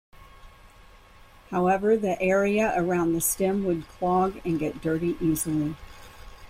However, the area around the stem would clog and get dirty easily.